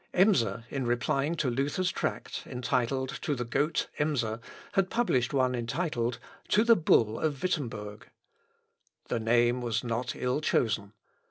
Emser, in replying to Luther's tract, entitled, 'To the Goat Emser,' had published one entitled, 'To the Bull of Wittemberg.' The name was not ill chosen.